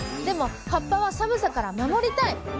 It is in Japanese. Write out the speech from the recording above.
でも葉っぱは寒さから守りたい。